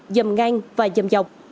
dầm ngang và dầm dọc